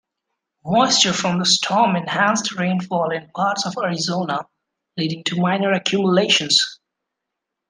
Moisture from the storm enhanced rainfall in parts of Arizona, leading to minor accumulations.